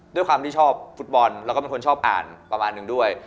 ด้วยความที่ชอบฟุตบอลแล้วก็เป็นคนชอบอ่านประมาณหนึ่งด้วย